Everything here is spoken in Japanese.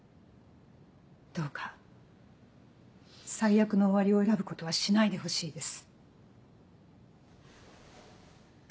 どうか「最悪」な終わりを選ぶことはしないでほしいです。